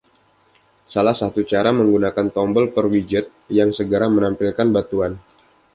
Salah satu cara menggunakan tombol per widget yang segera menampilkan bantuan.